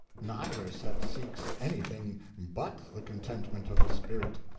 Neither set seeks anything _but _the contentment of the spirit.